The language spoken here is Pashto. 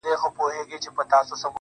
• زلفـي را تاوي کړي پــر خپلـو اوږو.